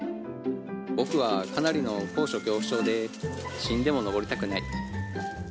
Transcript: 僕はかなりの高所恐怖症で死んでも登りたくない。